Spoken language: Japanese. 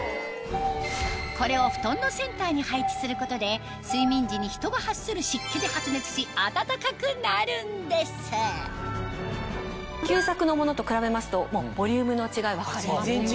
これをすることで睡眠時に人が発する湿気で発熱し暖かくなるんです旧作のものと比べますとボリュームの違い分かりますよね？